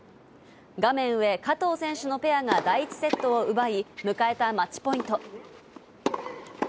画面上、加藤選手のペアが第１セットを奪い、迎えたマッチポイント。